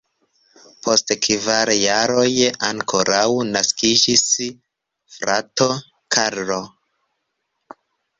Post kvar jaroj ankoraŭ naskiĝis frato Karlo.